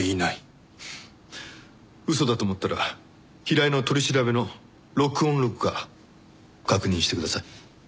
嘘だと思ったら平井の取り調べの録音録画確認してください。